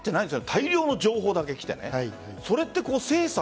大量の情報だけ来て。